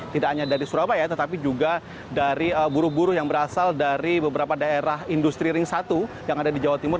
tidak hanya dari surabaya tetapi juga dari buru buru yang berasal dari beberapa daerah industri ring satu yang ada di jawa timur